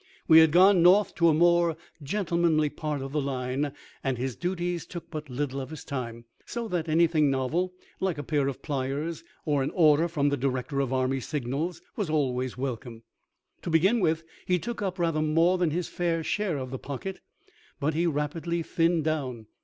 We had gone North to a more gentlemanly part of the line, and his duties took but little of his time, so that anything novel, like a pair of pliers or an order from the Director of Army Signals, was always welcome. To begin with he took up rather more than his fair share of the pocket, but he rapidly thinned down.